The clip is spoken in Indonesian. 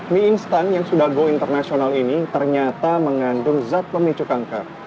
mie instan yang sudah go internasional ini ternyata mengandung zat pemicu kanker